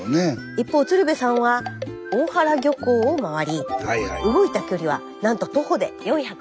一方鶴瓶さんは大原漁港を回り動いた距離はなんと徒歩で４５０ｍと。